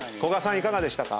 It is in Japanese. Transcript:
いかがでしたか？